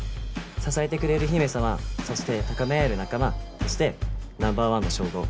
支えてくれる姫様そして高め合える仲間そしてナンバー１の称号。